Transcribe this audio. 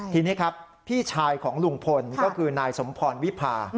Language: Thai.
ทีนี้ครับพี่ชายของลุงพลก็คือนายสมพรวิพา